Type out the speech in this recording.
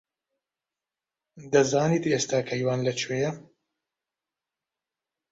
دەزانیت ئێستا کەیوان لەکوێیە؟